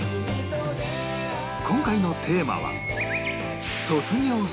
今回のテーマは